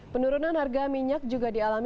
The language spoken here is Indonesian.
penurunan harga minyak juga dialami